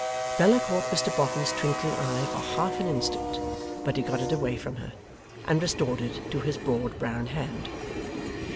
Bella caught Mr Boffin's twinkling eye for half an instant; but he got it away from her, and restored it to his broad brown hand.